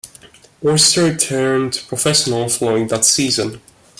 Orser turned professional following that season.